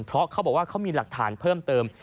เพราะเขาบอกว่าเขามีหลักฐานเพิ่มเติม